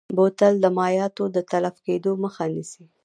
بوتل د مایعاتو د تلف کیدو مخه نیسي.